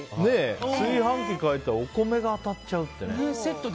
炊飯器買いに行ってお米が当たっちゃうってね。